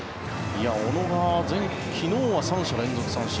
小野が昨日は３者連続三振